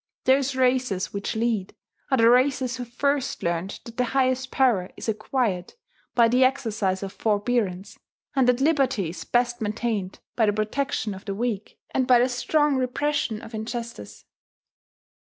Those races which lead are the races who first learned that the highest power is acquired by the exercise of forbearance, and that liberty is best maintained by the protection of the weak, and by the strong repression of injustice.